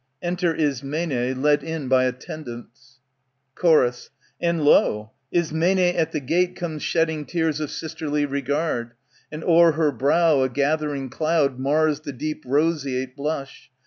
Enter Ismene, led in by Attendants, Chor, And, lo ! Ismene at the gate Comes shedding tears of sisterly regard, And o'er her brow a gathering cloud Mars the deep roseate blush.